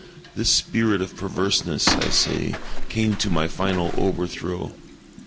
This spirit of perverseness, I say, came to my final overthrow.